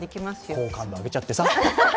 好感度上げちゃってさ！